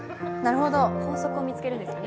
法則を見つけるんですよね。